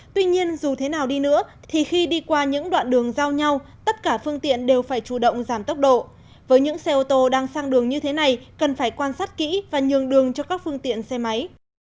tuy nhiên dù thế nào đi nữa thì khi đi qua những đoạn đường giao nhau tất cả phương tiện đều phải chủ động giảm tốc độ với những xe ô tô đang sang đường như thế này cần phải quan sát kỹ và nhường đường cho các phương tiện xe máy